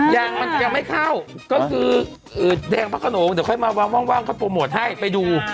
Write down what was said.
ยังไม่เข้าก็คือแดงพระขนงเดี๋ยวค่อยมาว้างค่อยโปรโมทให้ไปดู